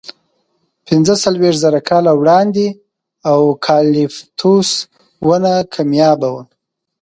پینځهڅلوېښت زره کاله وړاندې اوکالیپتوس ونه کمیابه وه.